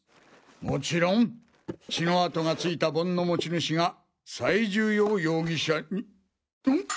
もちろん血の跡が付いた盆の持ち主が最重要容疑者にん！！